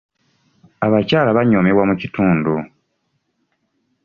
Abakyala banyoomebwa mu kitundu.